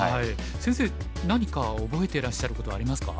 先生何か覚えてらっしゃることありますか？